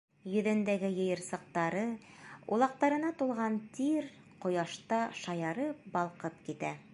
Йөҙөндәге йыйырсыҡтары улаҡтарына тулған тир ҡояшта шаярып балҡып китә.